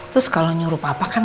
terus kalau nyuruh papa kan